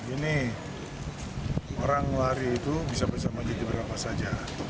ini orang lari itu bisa bisa menjadi berapa saja